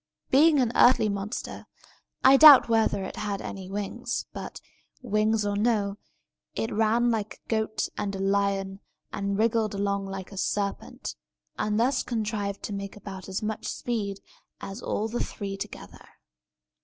Being an earthly monster, I doubt whether it had any wings; but, wings or no, it ran like a goat and a lion, and wriggled along like a serpent, and thus contrived to make about as much speed as all the three together.